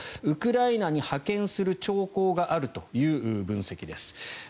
ウクライナに派遣する兆候があるという分析です。